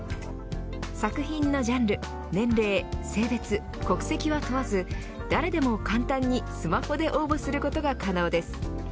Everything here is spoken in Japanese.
作品のジャンル、年齢性別、国籍は問わず誰でも簡単にスマホで応募することが可能です。